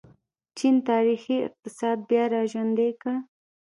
چین تاریخي اقتصاد بیا راژوندی کړ.